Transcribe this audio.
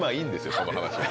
その話は。